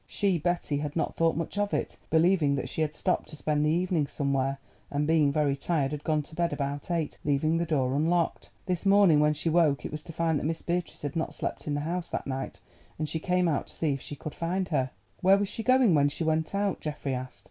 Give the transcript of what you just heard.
She, Betty, had not thought much of it, believing that she had stopped to spend the evening somewhere, and, being very tired, had gone to bed about eight, leaving the door unlocked. This morning, when she woke, it was to find that Miss Beatrice had not slept in the house that night, and she came out to see if she could find her. "Where was she going when she went out?" Geoffrey asked.